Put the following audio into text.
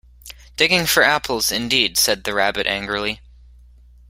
‘Digging for apples, indeed!’ said the Rabbit angrily.